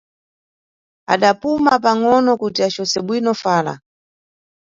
Adapuma pangʼono kuti acose bwino fala.